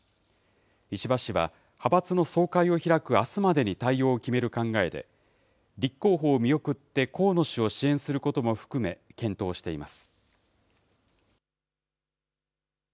石破氏は、派閥の総会を開くあすまでに対応を決める考えで、立候補を見送って、河野氏を支援することも含め、検討しています。